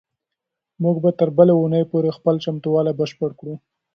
موږ به تر بلې اونۍ پورې خپل چمتووالی بشپړ کړو.